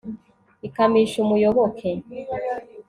ikamisha umuyoboke